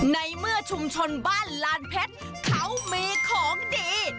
ในเมื่อชุมชนบ้านลานเพชรเขามีของดี